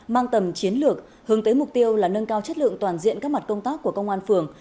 mang tầm chiến lược hướng tới mục tiêu là nâng cao chất lượng toàn diện các mặt công tác của công an phường